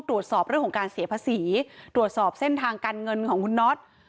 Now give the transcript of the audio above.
ตรวจสอบเรื่องของการเสียภาษีตรวจสอบเส้นทางการเงินของคุณน็อต